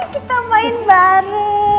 kita main bareng